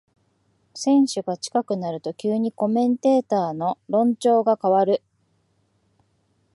選挙が近くなると急にコメンテーターの論調が変わる